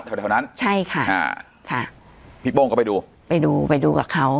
แถวแถวนั้นใช่ค่ะอ่าค่ะพี่โป้งก็ไปดูไปดูกับเขา